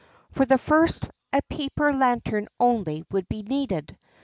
For the first a paper lantern only would be needed.